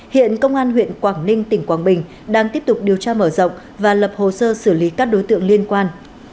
hiện công an huyện quảng ninh tỉnh quảng bình đang tiếp tục điều tra mở rộng và lập hồ sơ xử lý các đối tượng liên quan